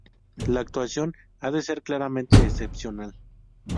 La actuación ha de ser claramente excepcional.